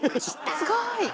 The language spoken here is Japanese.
すごい。